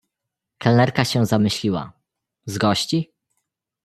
"Kelnerka się zamyśliła: „Z gości?"